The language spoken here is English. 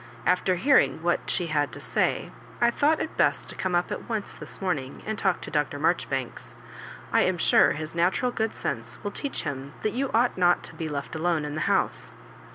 After hearing what she had to say, I thought it best to come up at once this morning and talk to Dr. Marjoribanks. I am sure his natural good sense will teach him that you ought not to be left alone in the house."